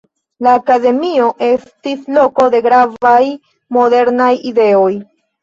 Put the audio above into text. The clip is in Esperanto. La akademio estis loko de gravaj modernaj ideoj.